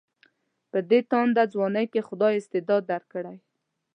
په دې تانده ځوانۍ کې خدای استعداد درکړی.